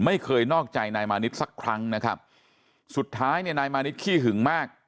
ไม่เคยนอกใจนายมานิดสักครั้งนะครับสุดท้ายเนี่ยนายมานิดขี้หึงมาก